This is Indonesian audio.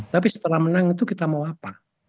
tapi setelah menang itu kita mau apa